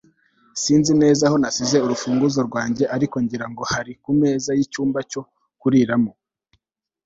Sinzi neza aho nasize urufunguzo rwanjye ariko ngira ngo bari kumeza yicyumba cyo kuriramo